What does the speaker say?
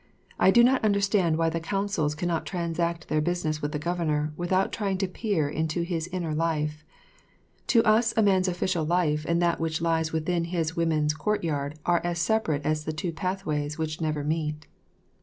I do not understand why the consuls cannot transact their business with the Governor without trying to peer into his inner life. To us a man's official life and that which lies within his women's courtyard are as separate as two pathways which never meet.